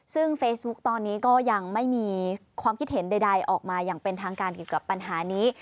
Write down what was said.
ซึ่งเฟซบุ๊คตอนนี้ก็ยังไม่มีความคิดเห็นใดออกมาอย่างเป็นทางการเกี่ยวกับปัญหานี้